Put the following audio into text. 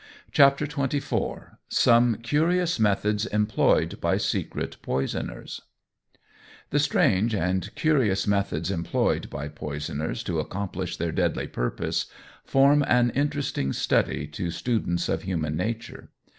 CHAPTER XXIV SOME CURIOUS METHODS EMPLOYED BY SECRET POISONERS THE strange and curious methods employed by poisoners to accomplish their deadly purpose, form an interesting study to students of human nature.